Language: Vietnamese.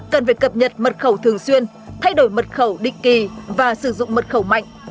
cần phải cập nhật mật khẩu thường xuyên thay đổi mật khẩu định kỳ và sử dụng mật khẩu mạnh